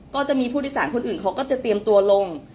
ก็จะมีผู้โดยสารคนอื่นเขาก็จะเตรียมตัวลง